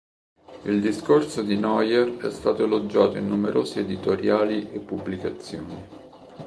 Il discorso di Neuer è stato elogiato in numerosi editoriali e pubblicazioni.